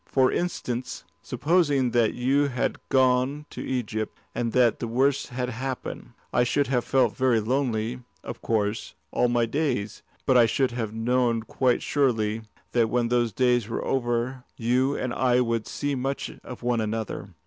For instance, supposing that you had gone to Egypt, and that the worst had happened, I should have felt very lonely, of course, all my days, but I should have known quite surely that when those days were over, you and I would see much of one another."